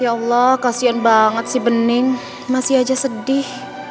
ya allah kasian banget sih bening masih aja sedih